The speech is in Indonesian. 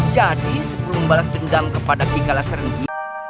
jadi sebelum balas dendam kepada kikala serenggi